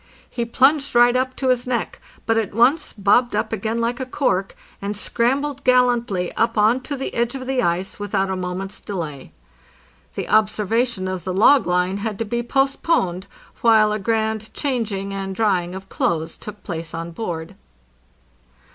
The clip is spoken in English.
He plunged right up to his neck, but at once bobbed up again like a cork, and scrambled gallantly up on to the edge of the ice without a mo ment's delay. The observation of the log line had to be post poned, while a grand changing and drying of clothes took place on board.